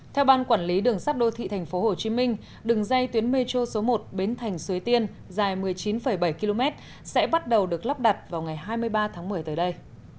theo ban quản lý đường sắt đô thị tp hcm đường dây tuyến metro số một bến thành xuế tiên dài một mươi chín bảy km sẽ bắt đầu được lắp đặt vào ngày hai mươi ba tháng một mươi tới đây